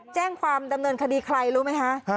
แจ้งความดำเนินคดีใครรู้ไหมคะ